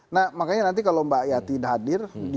nah makanya nanti kalau mbak yati hadir